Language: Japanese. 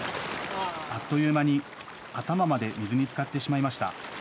あっという間に頭まで水につかってしまいました。